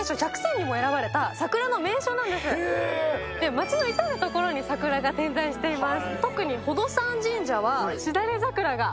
街の至る所に桜が点在しています。